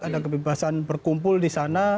ada kebebasan berkumpul di sana